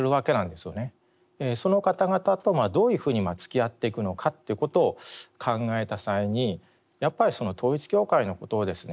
その方々とどういうふうにつきあっていくのかっていうことを考えた際にやっぱり統一教会のことをですね